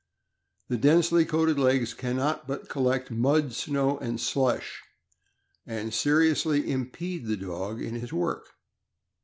The densely coated legs can not but collect mud, snow, and slush, and seriously impede the dog in his work.